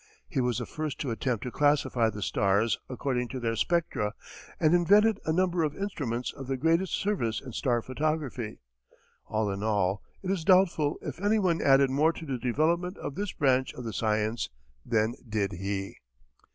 He was the first to attempt to classify the stars according to their spectra, and invented a number of instruments of the greatest service in star photography. All in all, it is doubtful if anyone added more to the development of this branch of the science than did he.